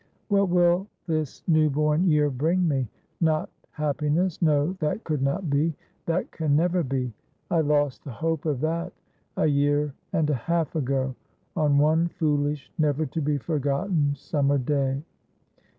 ' What will this new born year bring me ? Not happiness. No, that could not be — that can never be. I lost the hope of that a year and a half ago — on one foolish, never to be forgotten summer day.